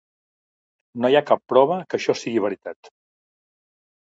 No hi ha cap prova que això sigui veritat.